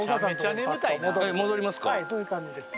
はいそういう感じです。